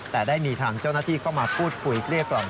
แต่ได้มีทางเจ้าหน้าที่เข้ามาพูดคุยเกลี้ยกล่อม